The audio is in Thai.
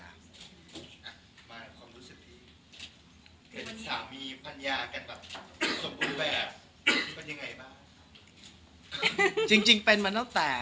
มาความรู้สึกที่เห็นสามีพัญญากันแบบสมบูรณ์แบบเป็นยังไงบ้าง